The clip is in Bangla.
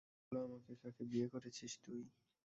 বল আমাকে, কাকে বিয়ে করেছিস তুই?